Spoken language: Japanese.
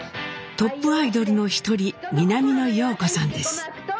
トップアイドルの一人南野陽子さんです。